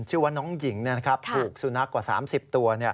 ชื่อว่าน้องหญิงถูกสุนัขกว่า๓๐ตัว